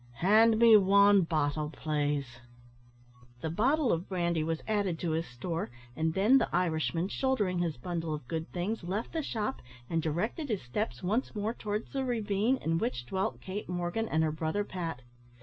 Hand me wan bottle, plaze." The bottle of brandy was added to his store, and then the Irishman, shouldering his bundle of good things, left the shop, and directed his steps once more towards the ravine in which dwelt Kate Morgan and her brother Pat.